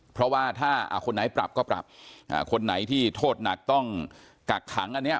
เพราะว่าถ้าคนไหนปรับก็ปรับคนไหนที่โทษหนักต้องกักขังอันนี้